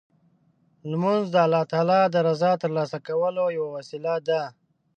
لمونځ د الله تعالی د رضا ترلاسه کولو یوه وسیله ده.